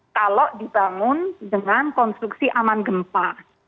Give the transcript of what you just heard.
kalau dibangun dengan konstruksi aman gempa